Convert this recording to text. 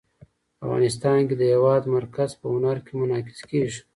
افغانستان کې د هېواد مرکز په هنر کې منعکس کېږي.